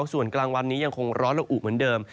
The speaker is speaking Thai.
ส่วนกลางวันนี้ยังคงร้อนละอุเหมือนเดิม